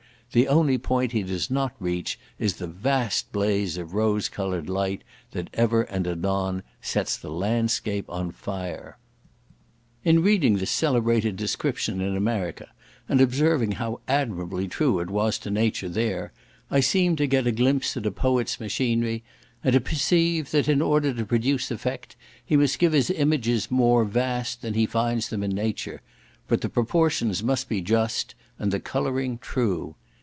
The only point he does not reach is the vast blaze of rose coloured light that ever and anon sets the landscape on fire. In reading this celebrated description in America, and observing how admirably true it was to nature there, I seemed to get a glimpse at a poet's machinery, and to perceive, that in order to produce effect he must give his images more vast than he finds them in nature; but the proportions must be just, and the colouring true.